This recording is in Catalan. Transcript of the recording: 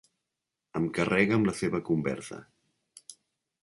Em carrega amb la seva conversa.